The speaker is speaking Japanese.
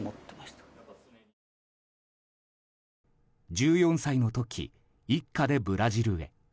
１４歳の時一家でブラジルへ。